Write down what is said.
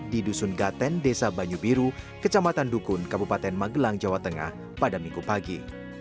di dusun gaten desa banyu biru kecamatan dukun kabupaten magelang jawa tengah pada minggu pagi